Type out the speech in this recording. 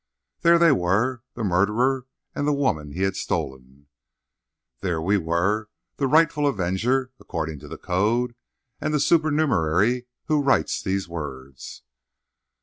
There they were—the murderer and the woman he had stolen. There we were—the rightful avenger, according to the code, and the supernumerary who writes these words.